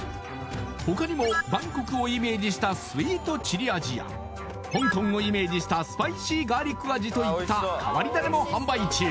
他にもバンコクをイメージしたスイートチリ味や香港をイメージしたスパイシーガーリック味といった変わり種も販売中